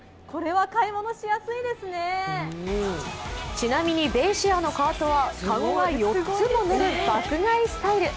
ちなみに、ベイシアのカートは籠が４つも乗る爆買いスタイル。